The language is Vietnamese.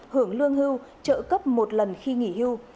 hưởng lương hưu trợ cấp một lần khi nghỉ hưu